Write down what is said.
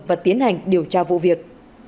và tiến hành điều tra vụ việc